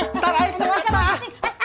ntar aja terus mak